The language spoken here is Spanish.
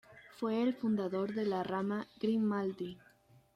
Fue el fundador de la rama "Grimaldi".